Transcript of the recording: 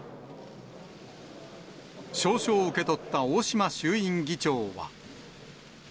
詔書を受け取った大島衆院議長は。